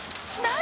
何？